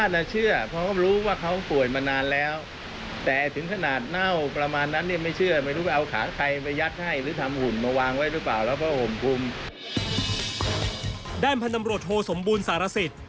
ด้านพนัมโรโธสมบูรณ์สาระศิษฐ์